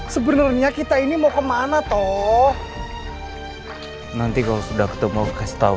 sebenarnya kita ini tidak bisa berbicara dengan orang lain